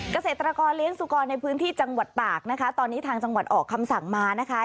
เกษตรกรเลี้ยงสุกรในพื้นที่จังหวัดตากนะคะตอนนี้ทางจังหวัดออกคำสั่งมานะคะ